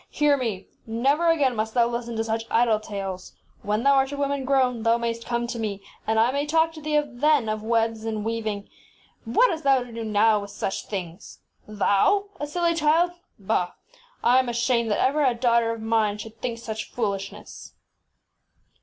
ŌĆś Hear me! Never again must thou listen to such idle tales. When thou art a woman grown, thou mayst come to me, and I may talk to thee then of webs and weaving, but what hast thou to do with such things now? Thou! a silly child! Bah! I am ashamed that ever a daughter of mine 'tlftm Mirabel should think such fool ishness